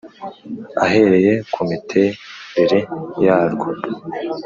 ahereye ku miterere yarwo,